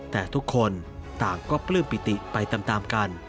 แต่ทุกคนต่างก็ปลื้มปิติไปตามกัน